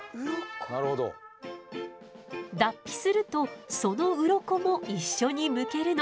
脱皮するとそのウロコも一緒にむけるの。